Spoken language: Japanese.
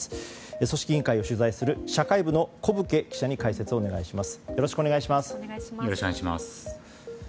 組織委員会を取材する社会部の古武家記者にお願いします。